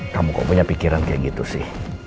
kamu kok punya pikiran kayak gitu sih